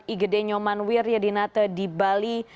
igede nyoman wiryadinate di bali